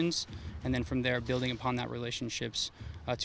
dan dari sana membangun hubungan itu